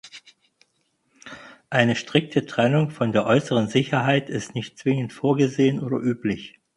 Eine strikte Trennung von der äußeren Sicherheit ist nicht zwingend vorgesehen oder üblich.